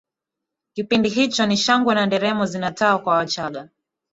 kipindi hicho ni shangwe na nderemo zinatawa kwa wachaga